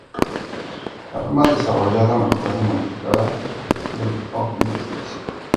La forma desarrollada, mejorada y modificada del Omnitrix.